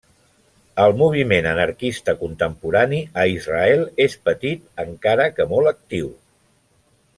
El moviment anarquista contemporani a Israel és petit, encara que molt actiu.